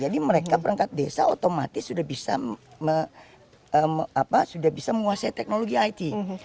jadi mereka perangkat desa otomatis sudah bisa menguasai teknologi it